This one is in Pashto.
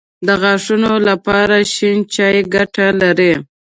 د غاښونو دپاره شين چای ګټه لري